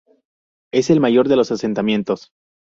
Es el mayor de los asentamientos.